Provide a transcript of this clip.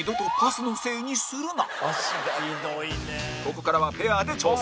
ここからはペアで挑戦